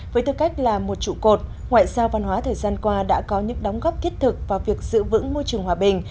với tư cách là một trụ cột ngoại giao văn hóa thời gian qua đã có những đóng góp thiết thực vào việc giữ vững môi trường hòa bình